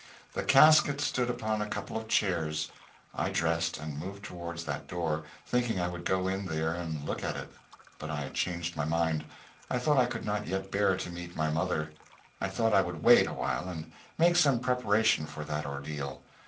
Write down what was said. The casket stood upon a couple of chairs. I dressed, and moved toward that door, thinking I would go in there and look at it, but I changed my mind. I thought I could not yet bear to meet my mother. I thought I would wait awhile and make some preparation for that ordeal.